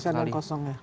masih ada yang kosong ya